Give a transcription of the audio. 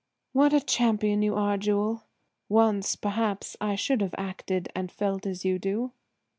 "What a champion you are, Jewel; once, perhaps, I should have acted and felt as you do."